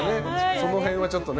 その辺はちょっとね。